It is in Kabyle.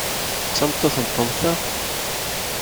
D tameṭṭut n Tom, ta?